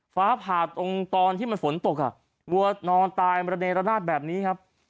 ฟ้าผ่าตรงตอนที่มันฝนตกอ่ะวัวนอนตายมระเนรนาศแบบนี้ครับ